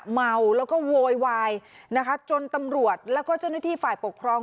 เมาแล้วก็โวยวายนะคะจนตำรวจแล้วก็เจ้าหน้าที่ฝ่ายปกครอง